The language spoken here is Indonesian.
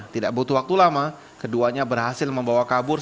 tidak butuh waktu lama keduanya berhasil membawa kabur